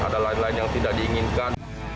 ada lain lain yang tidak diinginkan